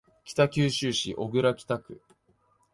北九州市小倉北区